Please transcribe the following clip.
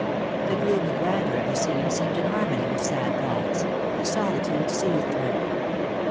The gloomy grandeur of the scene seemed in harmony with sad thoughts ; the solitude soothed her.